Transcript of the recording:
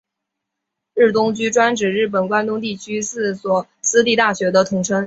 日东驹专指日本关东地区四所私立大学的统称。